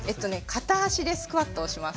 片足でスクワットをします。